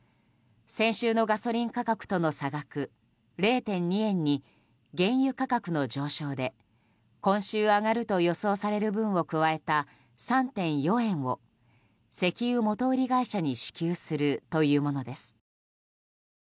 先週のガソリン価格との差額０．２円に原油価格の上昇で今週上がると予想される分を加えた３．４円を石油元売り会社に支給するというものです。